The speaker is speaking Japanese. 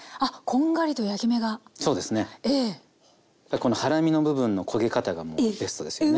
この腹身の部分の焦げ方がもうベストですよね。